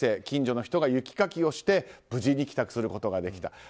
近所の人が雪かきをして無事に帰宅することができた。